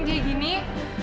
dia kini buat mata kita